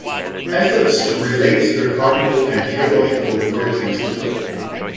Efforts to relate the cardinal and theological virtues differ.